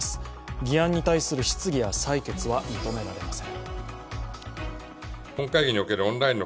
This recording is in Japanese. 議案に対する質疑や裁決は認められません。